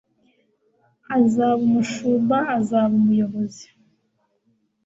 Azaba umushumba azaba umuyobozi